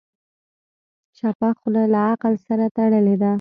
چپه خوله، له عقل سره تړلې ده.